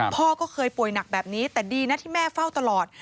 พ่อก็เคยป่วยหนักแบบนี้แต่ดีนะที่แม่เฝ้าตลอด